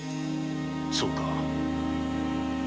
そうか。